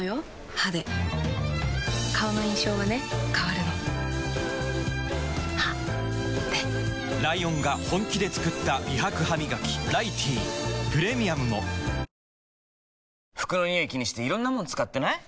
歯で顔の印象はね変わるの歯でライオンが本気で作った美白ハミガキ「ライティー」プレミアムも服のニオイ気にしていろんなもの使ってない？